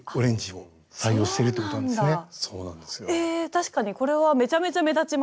確かにこれはめちゃめちゃ目立ちますね。